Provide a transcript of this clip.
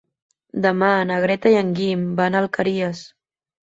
Demà na Greta i en Guim van a les Alqueries.